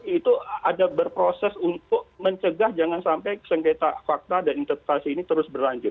itu ada berproses untuk mencegah jangan sampai sengketa fakta dan interpretasi ini terus berlanjut